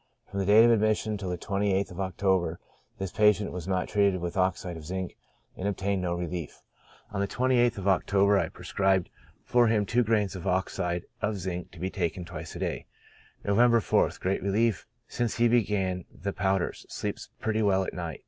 From the date of admission till the 28th of Oc tober, this patient was not treated with oxide of zinc, and obtained no relief. On the 28th of October I prescribed for him two grains of oxide of zinc to be taken twice a day. November 4th. — Great relief since he began the powders; sleeps pretty well at night.